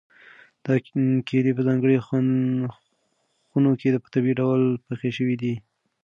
دا کیلې په ځانګړو خونو کې په طبیعي ډول پخې شوي دي.